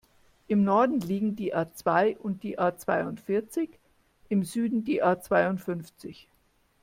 Im Norden liegen die A-zwei und die A-zweiundvierzig, im Süden die A-zweiundfünfzig.